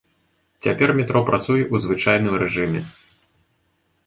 Цяпер метро працуе ў звычайным рэжыме.